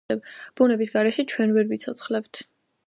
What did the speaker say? ბუნების გარეშე ჩვენ ვერ ვიცოცხლებთ